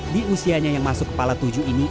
di usianya yang masuk kepala tujuh ini